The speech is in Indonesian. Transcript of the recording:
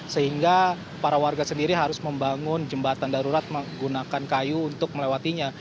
sehingga para warga sendiri harus membangun jembatan darurat menggunakan kayu untuk melewatinya